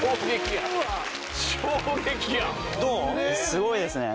すごいですね。